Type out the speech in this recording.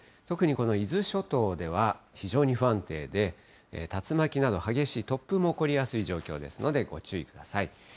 特にこの伊豆諸島では、非常に不安定で、竜巻など、激しい突風も起こりやすい状況ですのでご注意ください。